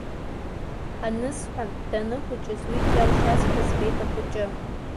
Анысҳәа, дхәыҷыназ уи џьалшьазшәа збеит ахәыҷы.